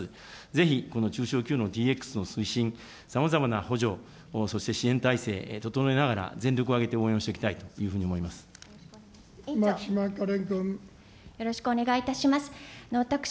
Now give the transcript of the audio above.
ぜひこの中小企業のＤＸの推進、さまざまな補助、そして支援体制整えながら全力を挙げて応援をしていきたいという牧島かれん君。